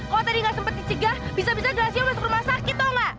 kalo tadi gak sempet dicegah bisa bisa graciel masuk rumah sakit tau gak